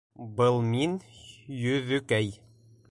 — Был мин, Йөҙөкәй.